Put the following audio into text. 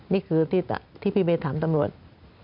นี่คือที่พี่เบย์ถามตำรวจ